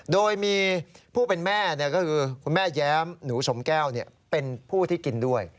โดยมีผู้เป็นแม่ก็คือคุณแม่แย้มหนูสมแก้วเป็นผู้ที่กินด้วย